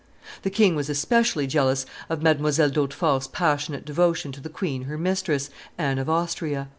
The king was especially jealous of Mdlle. d'Hautefort's passionate devotion to the queen her mistress, Anne of Austria.